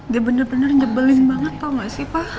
dia benar benar njebelin banget tahu nggak sih pak